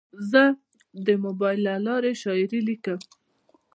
زه د موبایل له لارې شاعري لیکم.